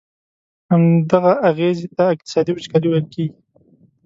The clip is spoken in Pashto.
همدغه اغیزي ته اقتصادي وچکالي ویل کیږي.